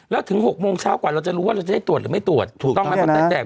แล้วถึงหกโมงเช้ากว่าเราจะรู้ว่าเราจะได้ตรวจหรือไม่ตรวจถูกต้อง